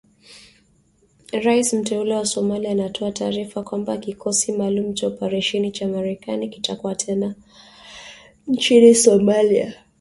Rais mteule wa Somalia anatoa taarifa kwamba kikosi maalum cha operesheni cha Marekani kitakuwa tena nchini Somalia.